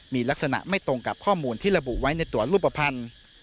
มีลักษณะไม่ตรงกับข้อมูลที่ระบุไว้ในตัวรูปภัณฑ์